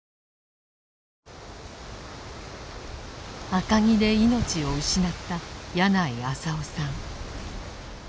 赤城で命を失った矢内浅雄さん。